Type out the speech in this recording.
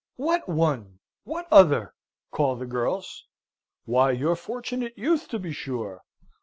"What one, what other?" call the girls. "Why, your fortunate youth, to be sure."